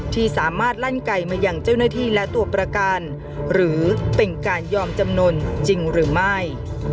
ที่สามารถลั่นไก่มาอย่างเจ้าหน้าที่และตัวประกันหรือเป็นการยอมจำนวนจริงหรือไม่